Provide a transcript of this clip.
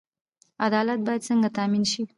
عدالت باید څنګه تامین شي؟